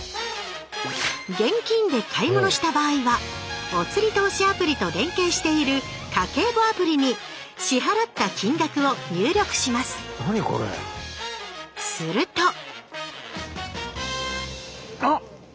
現金で買い物した場合はおつり投資アプリと連携している「家計簿アプリ」に支払った金額を入力しますなにこれ⁉するとあっ！